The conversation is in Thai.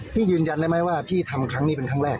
ยืนยันได้ไหมว่าพี่ทำครั้งนี้เป็นครั้งแรก